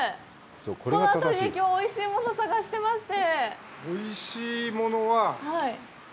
この辺りで、きょうおいしいものを探してまして。